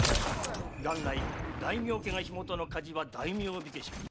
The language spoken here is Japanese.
元来大名家が火元の火事は大名火消しが。